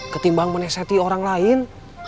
ketimbang menesati orang lain